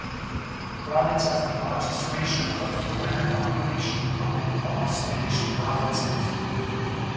The province has the largest ratio of foreigner population among all Spanish provinces.